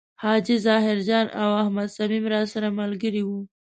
حاجي ظاهر جان او احمد صمیم راسره ملګري و.